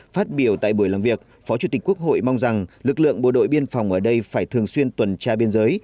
phát biểu tại buổi làm việc phó chủ tịch quốc hội mong rằng lực lượng bộ đội biên phòng ở đây phải thường xuyên tuần tra biên giới